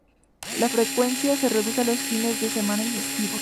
La frecuencia se reduce los fines de semana y festivos.